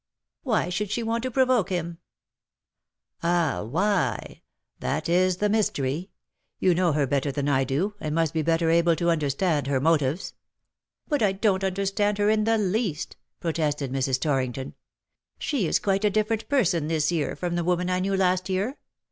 ^^" Why should she want to provoke him V^ " Ah, why ? That is the mystery. You know her better than I do, and must be better able to understand her motives.^' " But I don^t understand her in the least/^ pro tested Mrs. Torrington. " She is quite a different person this year from the woman I knew last year.